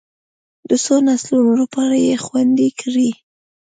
د څو نسلونو لپاره یې خوندي کړي.